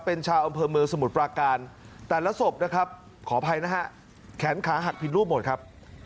เป็นชาวอำเภอเมืองสมุทรปราการแต่ละศพนะครับขออภัยนะฮะแขนขาหักผิดรูปหมดครับ